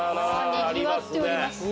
にぎわっております。